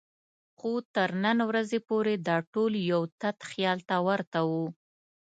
خو تر نن ورځې پورې دا ټول یو تت خیال ته ورته وو.